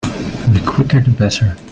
The quicker the better.